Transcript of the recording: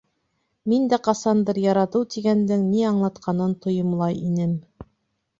— Мин дә ҡасандыр «яратыу» тигәндең ни аңлатҡанын тойомлай инем.